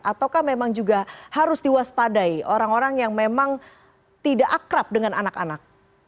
ataukah memang juga harus diwaspadai orang orang yang memang tidak akrab dengan anak anak